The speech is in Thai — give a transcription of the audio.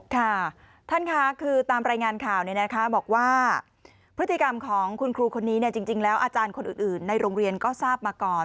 ค่ะท่านค่ะคือตามรายงานข่าวบอกว่าพฤติกรรมของคุณครูคนนี้จริงแล้วอาจารย์คนอื่นในโรงเรียนก็ทราบมาก่อน